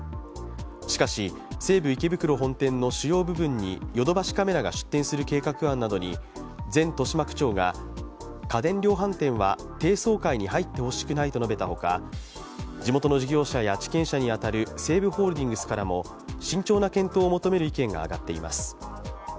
しかし、西武池袋本店の主要部分にヨドバシカメラが出店する計画案などに前豊島区長が家電量販店は低層階に入ってほしくないと述べたほか、地元の事業者や地権者に当たる西武ホールディングスからも慎重な検討を求める意見が上がっています。